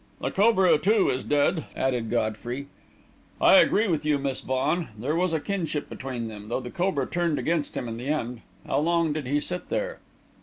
"The cobra, too, is dead," added Godfrey. "I agree with you, Miss Vaughan. There was a kinship between them though the cobra turned against him in the end. How long did he sit there?"